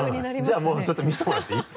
じゃあもうちょっと見せてもらっていい？